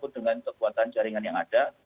dengan kekuatan jaringan yang ada